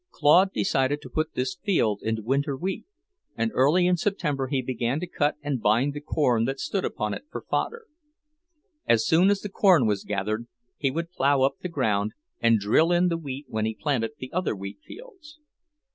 Claude decided to put this field into winter wheat, and early in September he began to cut and bind the corn that stood upon it for fodder. As soon as the corn was gathered, he would plough up the ground, and drill in the wheat when he planted the other wheat fields.